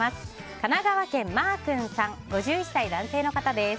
神奈川県の５１歳、男性の方です。